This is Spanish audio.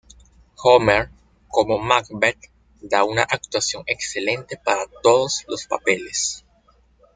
Homer, como Macbeth, da una actuación excelente para todos los papeles.